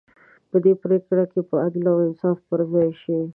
په دې پرېکړې کې به عدل او انصاف پر ځای شي.